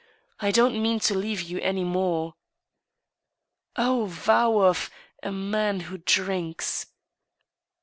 I don't mean to leave you any more." " Oh !— ^vow of ... a man who drinks."